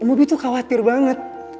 om bobby tuh khawatir banget